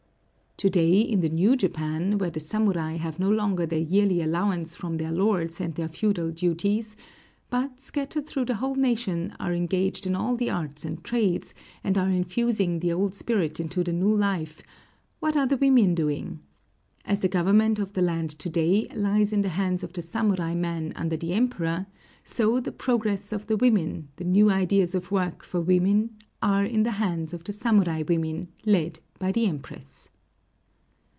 To day in the new Japan, where the samurai have no longer their yearly allowance from their lords and their feudal duties, but, scattered through the whole nation, are engaged in all the arts and trades, and are infusing the old spirit into the new life, what are the women doing? As the government of the land to day lies in the hands of the samurai men under the Emperor, so the progress of the women, the new ideas of work for women, are in the hands of the samurai women, led by the Empress.